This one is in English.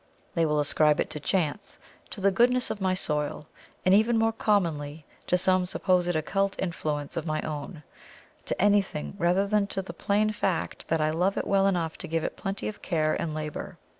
They will ascribe it to chance, to the goodness of my soil, and even more commonly to some supposed occult influence of my own to anything rather than to the plain fact that I love it well enough to give it plenty of care and labour.